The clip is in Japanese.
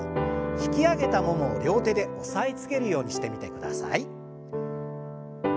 引き上げたももを両手で押さえつけるようにしてみてください。